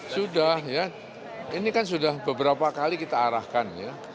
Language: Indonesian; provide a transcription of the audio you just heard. sudah ya ini kan sudah beberapa kali kita arahkan ya